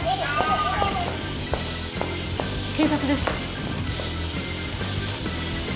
警察です。